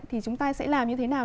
thì chúng ta sẽ làm như thế nào